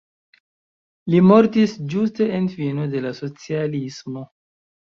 Li mortis ĝuste en fino de la socialismo.